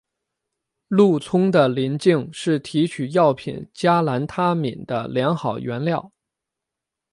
鹿葱的鳞茎是提取药品加兰他敏的良好原料。